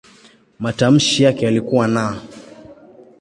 Matamshi yake yalikuwa "n".